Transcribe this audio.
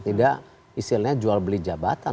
tidak istilahnya jual beli jabatan